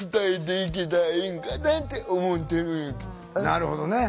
なるほどね。